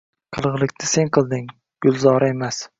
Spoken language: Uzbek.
Qilg`ilikni sen qilding, Gulzora emas